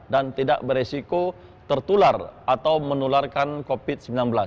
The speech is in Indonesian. dan tidak berisiko tertular atau menularkan covid sembilan belas